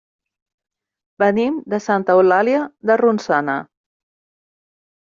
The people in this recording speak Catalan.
Venim de Santa Eulàlia de Ronçana.